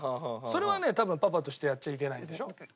それはね多分パパとしてやっちゃいけないんでしょ？